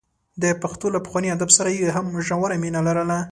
د پښتو له پخواني ادب سره یې هم ژوره مینه لرله.